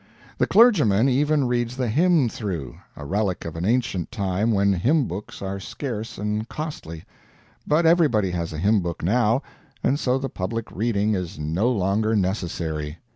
The clergyman even reads the hymn through a relic of an ancient time when hymn books are scarce and costly; but everybody has a hymn book, now, and so the public reading is no longer necessary.